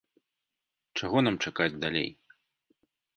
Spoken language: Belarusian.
Чаго нам чакаць далей?